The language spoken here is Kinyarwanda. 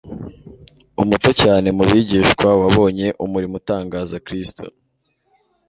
Umuto cyane mu bigishwa wabonye umurimo utangaza Kristo